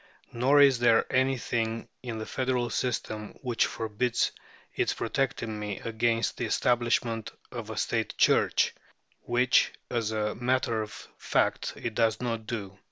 Nor is there anything in the federal system which forbids its protecting me against the establishment of a State Church, which, as a matter of fact, it does not do.